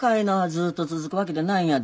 ずっと続くわけでないんやで。